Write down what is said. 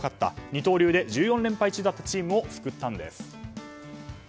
二刀流で、１４連敗中だったチームを救ったんです。